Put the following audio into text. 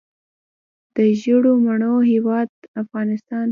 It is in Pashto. د ژیړو مڼو هیواد افغانستان.